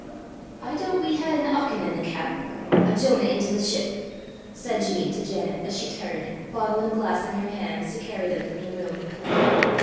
"I doobt we hae an Ahchan i' the camp a Jonah intil the ship!" said Jean to Janet, as she turned, bottle and glass in her hands, to carry them from the room.